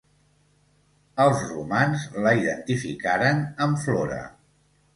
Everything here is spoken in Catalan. Els romans la identificaren amb Flora.